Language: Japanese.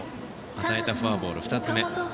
与えたフォアボール、２つ目。